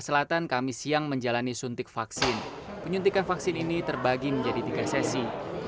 selatan kami siang menjalani suntik vaksin penyuntikan vaksin ini terbagi menjadi tiga sesi